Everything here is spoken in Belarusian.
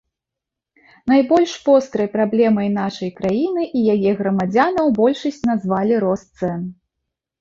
Найбольш вострай праблемай нашай краіны і яе грамадзянаў большасць назвалі рост цэн.